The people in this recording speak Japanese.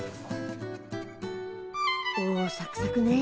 おサクサクね！